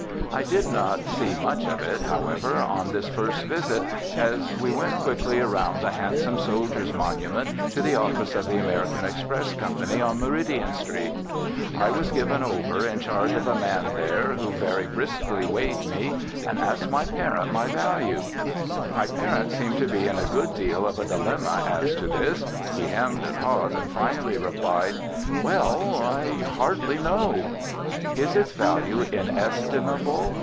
I did not see much of it, however, on this first visit, as we went quickly around the handsome Soldiers' Monument to the office of the American Express Company on Meridian Street. I was given over in charge of a man there who very briskly weighed me and asked my parent my value. My parent seemed to be in a good deal of a dilemma as to this. He hemmed and hawed and finally replied: "Well, I hardly know." "Is its value inestimable?"